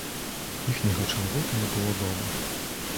Іхняга чалавека не было дома.